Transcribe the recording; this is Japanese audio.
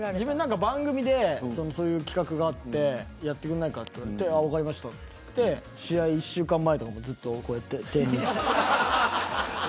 番組でそういう企画があってやってくれないかと言われて分かりましたと言って試合の１週間前もやってました。